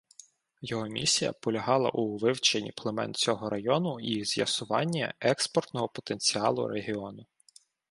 Його місія полягала у вивченні племен цього району і з'ясуванні експортного потенціалу регіону.